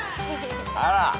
あら。